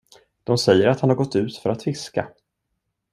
De säger, att han har gått ut för att fiska.